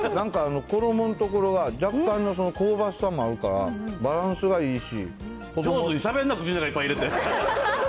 で、なんか衣の所は若干の香ばしさもあるから、バランスがいいし。